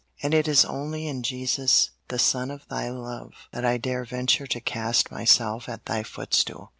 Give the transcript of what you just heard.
And it is only in Jesus, the Son of Thy love, that I dare venture to cast myself at Thy footstool.